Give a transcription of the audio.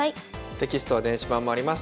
テキストは電子版もあります。